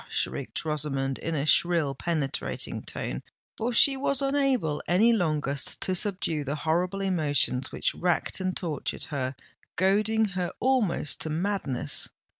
shrieked Rosamond, in a shrill, penetrating tone—for she was unable any longer to subdue the horrible emotions which racked and tortured her, goading her almost to madness.